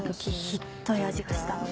ひっどい味がしたの。